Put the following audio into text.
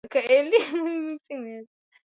watu wengi wana upungufu wa kinga mwilini